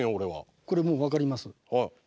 これもう分かります。